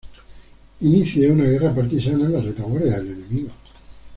Inicie una guerra partisana en la retaguardia del enemigo".